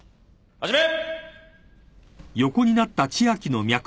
始め。